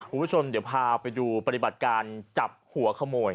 คุณผู้ชมเดี๋ยวพาไปดูปฏิบัติการจับหัวขโมย